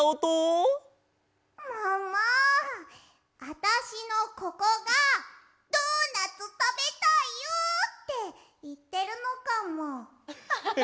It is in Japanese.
あたしのここが「ドーナツたべたいよ」っていってるのかも。